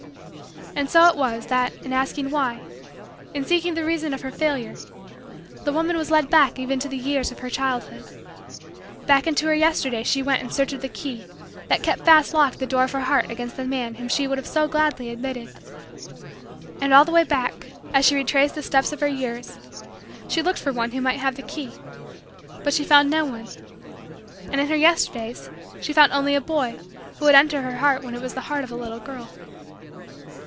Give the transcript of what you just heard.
And so it was, that, in asking, "why" in seeking the reason of her failure, the woman was led back even to the years of her childhood. Back into her Yesterdays she went in search of the key that kept fast locked the door of her heart against the man whom she would have so gladly admitted. And, all the way back, as she retraced the steps of her years, she looked for one who might have the key. But she found no one. And in her Yesterdays she found only a boy who had entered her heart when it was the heart of a little girl.